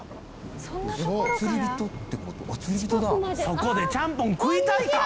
そこでちゃんぽん食いたいか？